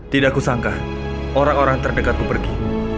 tidak kusangka orang orang terdekatku pergi